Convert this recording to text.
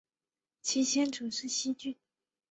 其先祖是汲郡。